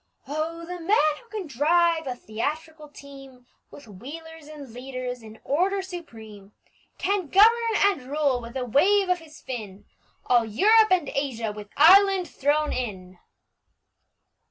Oh, the man who can drive a theatrical team, With wheelers and leaders in order supreme, Can govern and rule, with a wave of his fin, All Europe and Asia—with Ireland thrown in!